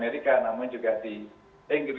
orang dan kalau bisa di banyak negara